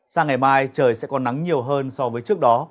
sang ngày mai trời sẽ có nắng nhiều hơn so với trước đó